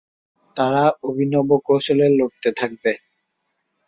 তারা অভিনব কৌশলে লড়তে থাকবে।